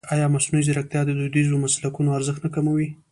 ایا مصنوعي ځیرکتیا د دودیزو مسلکونو ارزښت نه کموي؟